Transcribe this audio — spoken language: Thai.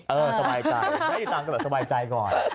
เออสบายใจไม่ติดตามกันแต่ว่าสบายใจก่อน